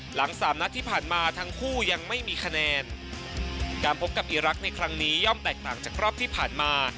หลังสามนัดที่ผ่านมาทั้งคู่ยังไม่มีคะแนนการพบกับอีรักษ์ในครั้งนี้ย่อมแตกต่างจากรอบที่ผ่านมา